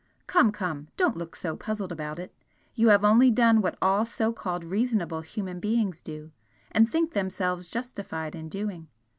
Come, come! don't look so puzzled about it! you have only done what all so called 'reasonable' human beings do, and think themselves justified in doing.